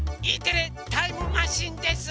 「Ｅテレタイムマシン」です。